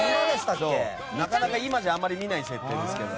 なかなか今じゃあまり見ない設定ですけど。